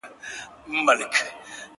دادی اوس هم کومه ـ بيا کومه ـ بيا کومه ـ